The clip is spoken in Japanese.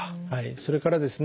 それからですね